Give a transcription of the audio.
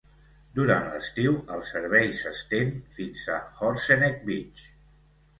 Durant l'estiu el servei s'estén fins a Horseneck Beach.